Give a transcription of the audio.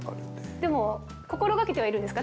でも心がけてはいるんですか？